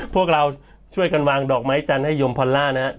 พวกเราช่วยกันวางดอกไม้จันทร์ให้ยมพอลล่านะครับ